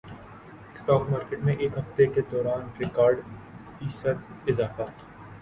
stock market میں ایک ہفتے کے دوران ریکارڈ فیصد اضافہ